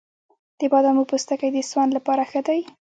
د بادامو پوستکی د سون لپاره ښه دی؟